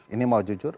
ini mau jujur